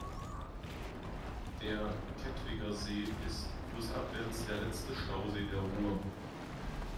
Der Kettwiger See ist flussabwärts der letzte Stausee der Ruhr.